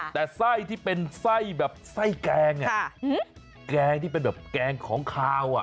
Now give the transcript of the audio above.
แต่ไส้ที่เป็นไส้แบบไส้แกงแกงที่เป็นแบบแกงของขาว